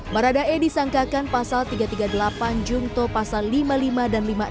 baradae disangkakan pasal tiga ratus tiga puluh delapan jungto pasal lima puluh lima dan lima puluh enam